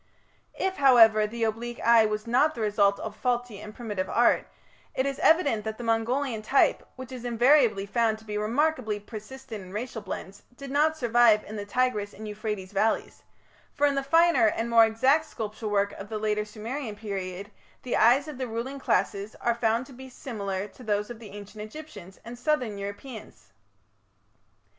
If, however, the oblique eye was not the result of faulty and primitive art, it is evident that the Mongolian type, which is invariably found to be remarkably persistent in racial blends, did not survive in the Tigris and Euphrates valleys, for in the finer and more exact sculpture work of the later Sumerian period the eyes of the ruling classes are found to be similar to those of the Ancient Egyptians and southern Europeans.